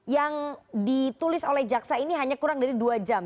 yang ditulis oleh jaksa ini hanya kurang dari dua jam